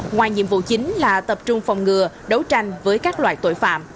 ngoài nhiệm vụ chính là tập trung phòng ngừa đấu tranh với các loại tội phạm